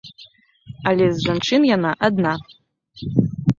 Але з жанчын яна адна.